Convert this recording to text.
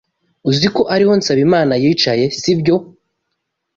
Uzi ko ariho Nsabimana yicaye, sibyo?